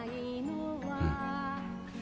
うん。